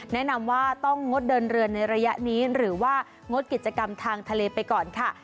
แนะนำว่าต้องงดเดินเรือในระยะนี้หรือว่างดกิจกรรมทางทะเลไปก่อนค่ะ